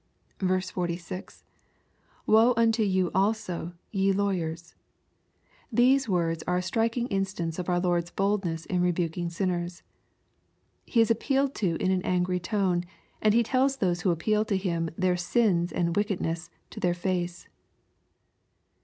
46. — [Woe unto you aJsOj ye lawyers.] These words are a striking instance of our Lord's boldness in rebuking sinners. He is ap pealed to in an angry tone, and He telb those who appeal to Him their sins and wickedness to their face.